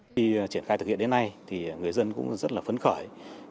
khi triển khai thực hiện đến nay thì người dân cũng rất là phấn khởi